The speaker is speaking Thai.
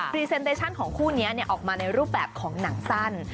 รีเซนเตชั่นของคู่นี้ออกมาในรูปแบบของหนังสั้น